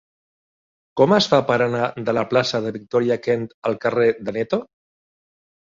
Com es fa per anar de la plaça de Victòria Kent al carrer d'Aneto?